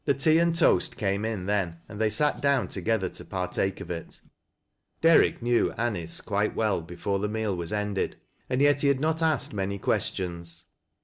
The tea and toast came in then, and they sat down to gether to partake of it. Derrick knew Anice quite well before the meal was ended, and yet he had not asked many questions.